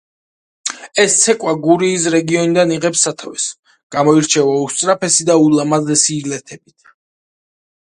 ეს ცეკვა გურიის რეგიონიდან იღებს სათავეს, გამოირჩევა უსწრაფესი და ულამაზესი ილეთებით.